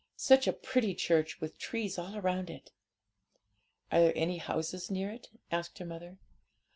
Such a pretty church, with trees all round it!' 'Are there any houses near it?' asked her mother.